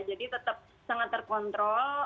jadi tetap sangat terkontrol